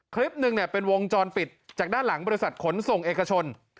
คลิปหนึ่งเป็นวงจรปิดจากด้านหลังบริษัทขนส่งเอกชน